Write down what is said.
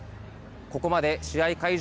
ここまで試合会場